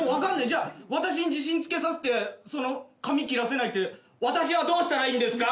じゃあ私に自信つけさせて髪切らせないって私はどうしたらいいんですか？